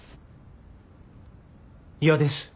嫌です。